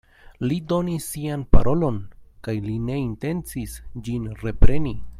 Li donis sian parolon, kaj li ne intencis ĝin repreni.